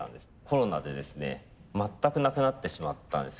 コロナでですね全くなくなってしまったんです